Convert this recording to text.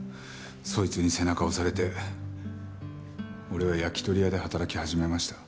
そいつに背中を押されて俺は焼き鳥屋で働き始めました。